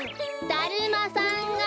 だるまさんが。